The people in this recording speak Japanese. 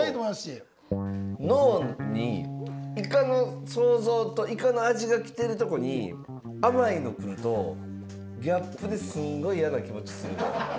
脳にイカの想像とイカの味が来てるとこに甘いの来るとギャップですんごい嫌な気持ちするで。